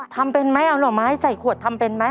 ทำเป็นไหมเอาหน่อไม้ใส่ขวดทำเป็นไหม